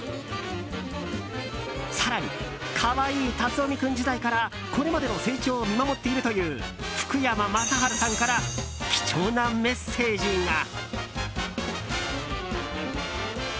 更に、可愛い龍臣君時代からこれまでの成長を見守っているという福山雅治さんから貴重なメッセージが。